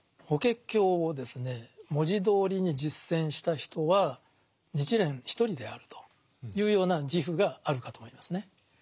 「法華経」をですね文字どおりに実践した人は日蓮一人であるというような自負があるかと思いますね。